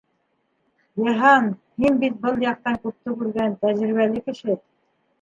Йыһан, һин бит был яҡтан күпте күргән, тәжрибәле кеше.